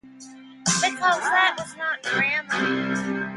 Because that was not a drama.